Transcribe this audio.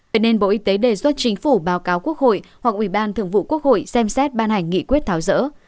vậy nên bộ y tế đề xuất chính phủ báo cáo quốc hội hoặc ủy ban thường vụ quốc hội xem xét ban hành nghị quyết tháo rỡ